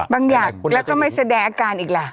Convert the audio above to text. อย่างแล้วก็ไม่แสดงอาการอีกล่ะ